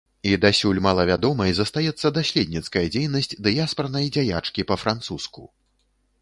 І дасюль малавядомай застаецца даследніцкая дзейнасць дыяспарнай дзяячкі па-французску.